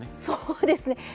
そうですね！